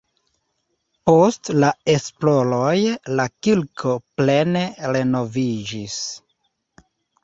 Post la esploroj la kirko plene renoviĝis.